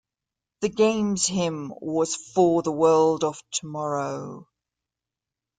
The games' hymn was "For the World of Tomorrow".